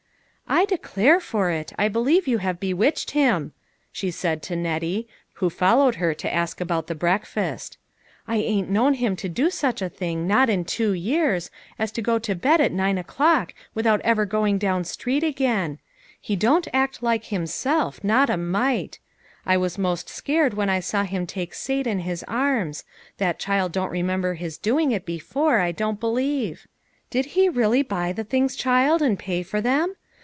" I declare for it, I believe you have bewitched him," she said to Nettie, who followed her to ask about the breakfast ;" I ain't known him to 140 LITTLE FISHEKS: AND THEIB NETS. do such a thing not in two years, as to go to bed at nine o'clock without ever going down street again. He don't act like himself ; not a rnite. I was most scared when I saw him take Sate in his arms; that child don't remember his doing it before, I don't believe. Did he really buy the things, child, and pay for them